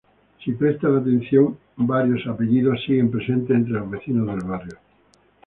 Si prestan atención, varios apellidos siguen presentes entre los vecinos del barrio.